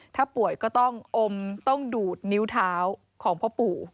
ถ้าป่วยก็ต้องอมต้องดูดนิ้วเท้าของพ่อปู่